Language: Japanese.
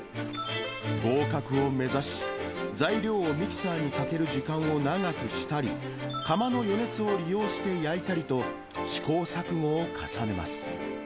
合格を目指し、材料をミキサーにかける時間を長くしたり、かまの余熱を利用して焼いたりと、試行錯誤を重ねます。